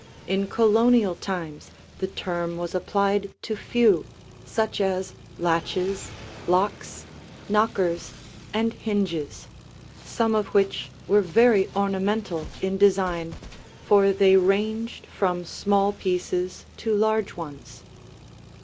In Colonial times the term was applied to few, such as latches, locks, knockers, and hinges, some of which were very ornamental in design, for they ranged from small pieces to large ones.